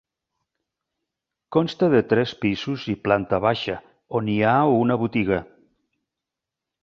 Consta de tres pisos i planta baixa, on hi ha una botiga.